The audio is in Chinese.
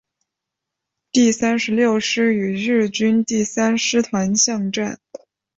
第三十六师与日军第三师团巷战。